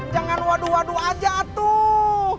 jangan waduh waduh aja tuh